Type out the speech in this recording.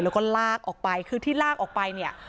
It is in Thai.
แล้วก็ลากออกไปคือที่ลากออกไปเนี่ย